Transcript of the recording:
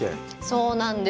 そうなんです。